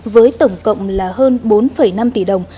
với tổng cộng là hơn bốn năm tỷ đồng